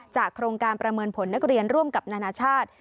โครงการประเมินผลนักเรียนร่วมกับนานาชาติ